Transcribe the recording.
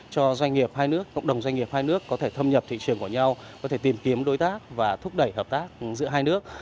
cho doanh nghiệp hai nước cộng đồng doanh nghiệp hai nước có thể thâm nhập thị trường của nhau có thể tìm kiếm đối tác và thúc đẩy hợp tác giữa hai nước